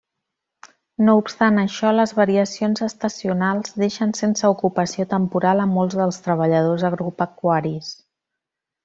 No obstant això, les variacions estacionals deixen sense ocupació temporal a molts dels treballadors agropecuaris.